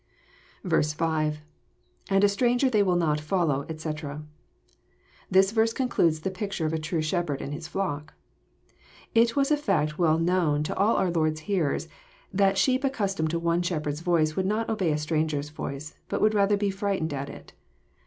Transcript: ^ b. — lAnd a stranger will they not follow, etc."] This verse conclades the picture of a true shepherd and his fiock. It was a fact well known to all our Lord's hearers, that sheep accustomed to one shepherd's voice would not obey a stranger's voice, bat would rather be frightened at it.